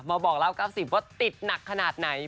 มาบอกราว๙๐ว่าติดหนักขนาดไหน